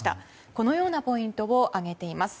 このようなポイントを挙げています。